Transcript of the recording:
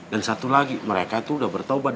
dan satu lagi mereka itu udah bertobat